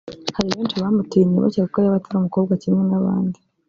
hari benshi bamutinya bakeka ko yaba atari umukobwa kimwe n’abandi